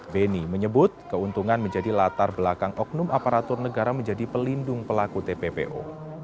beni menyebut keuntungan menjadi latar belakang oknum aparatur negara menjadi pelindung pelaku tppo